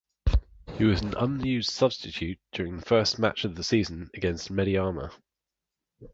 He was an unused substitute during the first match of the season against Medeama.